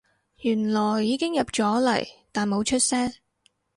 原來已經入咗嚟但冇出聲